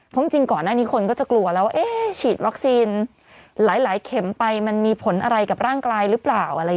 เพราะจริงก่อนหน้านี้คนก็จะกลัวแล้วว่าฉีดวัคซีนหลายเข็มไปมันมีผลอะไรกับร่างกายหรือเปล่า